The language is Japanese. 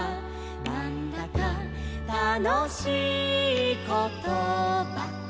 「なんだかたのしいことばかり」